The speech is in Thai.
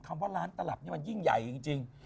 ว่าร้านตลับนี่มันยิ่งใหญ่จริง